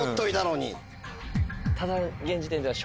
ただ。